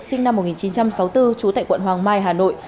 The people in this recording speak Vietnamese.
sinh năm một nghìn chín trăm sáu mươi bốn trú tại quận hoàng mai hà nội